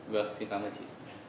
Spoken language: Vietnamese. vâng xin cảm ơn chị